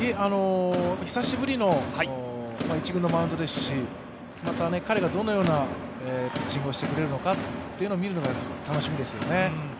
久しぶりの１軍のマウンドですし、また彼がどのようなピッチングをしてくれるのか見るのが楽しみですよね。